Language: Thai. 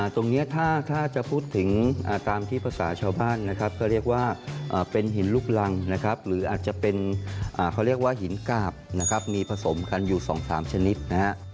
ตรงนี้ถ้าจะพูดถึงตามที่ภาษาชาวบ้านนะครับก็เรียกว่าเป็นหินลูกรังนะครับหรืออาจจะเป็นเขาเรียกว่าหินกาบนะครับมีผสมกันอยู่๒๓ชนิดนะฮะ